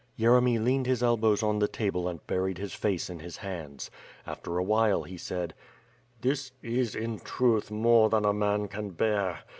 Yeremy leaned his elbows on the table and buried his face in his hands. After a while he said: "This is, in truth, more than a man can bear.